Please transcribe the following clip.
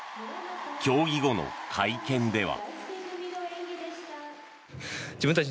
競技後の会見では。